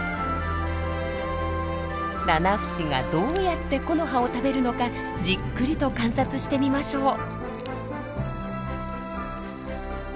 ナナフシがどうやって木の葉を食べるのかじっくりと観察してみましょう。